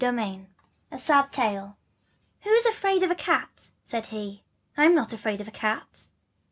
V A SAD TALE. JfO'S afraid of a cat?" said he; I'm not afraid of a cat.